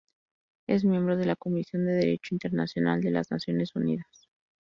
Es miembro de la Comisión de Derecho Internacional de las Naciones Unidas.